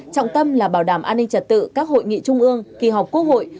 trọng tâm là bảo đảm an ninh trật tự các hội nghị trung ương kỳ họp quốc hội